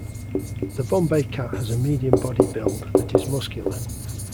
The Bombay cat has a medium body build that is muscular.